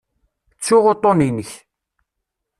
Ttuɣ uṭṭun-inek.